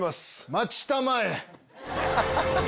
待ちたまえ。